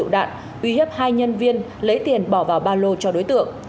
đấy tiền bỏ vào ba lô cho đối tượng